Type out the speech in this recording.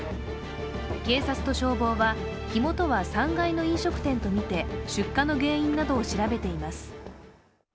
警察と消防は、火元は３階の飲食店とみて出火の原因などを調べています。